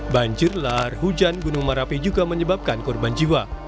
banjirlah harujan gunung marapi juga menyebabkan korban jiwa